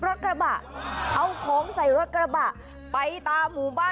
มอลำคลายเสียงมาแล้วมอลำคลายเสียงมาแล้ว